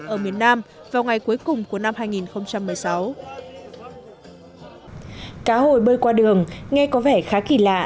ở miền nam vào ngày cuối cùng của năm hai nghìn một mươi sáu cá hồi bơi qua đường nghe có vẻ khá kỳ lạ